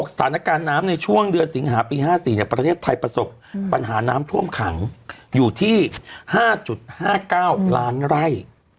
สถานการณ์น้ำในช่วงเดือนสิงหาปี๕๔ประเทศไทยประสบปัญหาน้ำท่วมขังอยู่ที่๕๕๙ล้านไร่